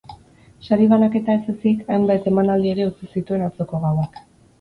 Sari-banaketa ez ezik, hainbat emanaldi ere utzi zituen atzoko gauak.